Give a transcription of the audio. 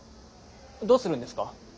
どうするんですか？